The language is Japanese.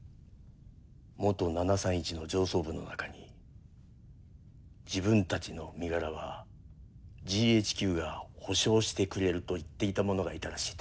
元７３１の上層部の中に「自分たちの身柄はＧＨＱが保障してくれる」と言っていた者がいたらしいと。